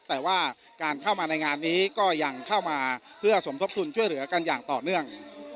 แต่ว่าการเข้ามาในงานนี้ก็ยังเข้ามาเพื่อสมทบทุนช่วยเหลือกันอย่างต่อเนื่อง